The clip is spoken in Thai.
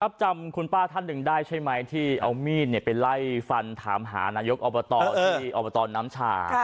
อับจำคุณป้าท่านหนึ่งได้ใช่ไหมที่เอามีดไปไล่ฟันถามหานายกอบตณชา